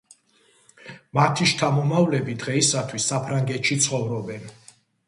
მათი შთამომავლები დღეისათვის საფრანგეთში ცხოვრობენ.